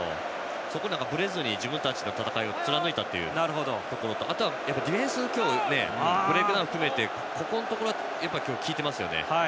そこでぶれずに自分たちの戦いを貫いたというところとあとはディフェンスが今日はブレークダウンを含めてここのところが効いてますね。